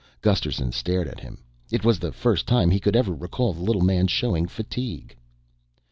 Gusterson stared at him. It was the first time he could ever recall the little man showing fatigue.